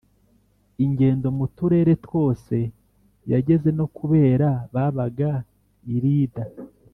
ingendo mu turere twose yageze no ku bera babaga i Lida